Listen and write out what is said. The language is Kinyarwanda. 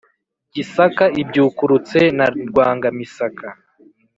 gisaka ibyukurutse na rwangamisaka.